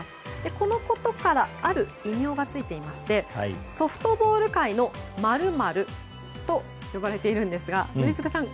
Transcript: このことからある異名がついていましてソフトボール界の○○と呼ばれていますが。